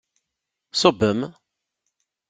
Ṣṣubem!